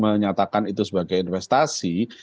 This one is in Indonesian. menyatakan itu sebagai investasi